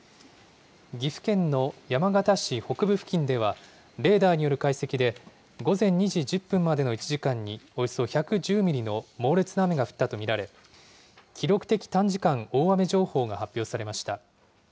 岐阜県の山県市北部付近では、レーダーによる解析で、午前２時１０分までの１時間におよそ１１０ミリの猛烈な雨が降ったと見られ、記録的短時間大雨情報が発表されました。